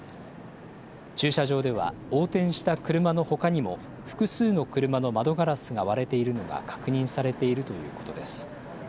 駐車場では横転した車のほかにも複数の車の窓ガラスが割れているのが確認されているということです。